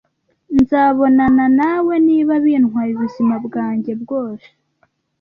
Nzabonana nawe, niba bintwaye ubuzima bwanjye bwose.